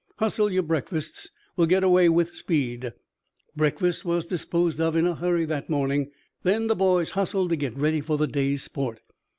Hustle your breakfasts! We'll get away with speed." Breakfast was disposed of in a hurry that morning. Then the boys hustled to get ready for the day's sport.